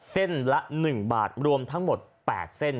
เส้นละ๑บาทรวมทั้งหมด๘เส้น